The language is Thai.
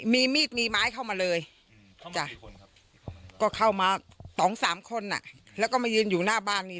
มีมีดมีไม้เข้ามาเลยก็เข้ามาสองสามคนแล้วก็มายืนอยู่หน้าบ้านนี้